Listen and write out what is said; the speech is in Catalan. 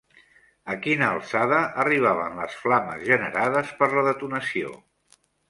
A quina alçada arribaven les flames generades per la detonació?